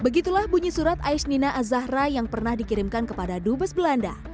begitulah bunyi surat aishnina azahra yang pernah dikirimkan kepada dubes belanda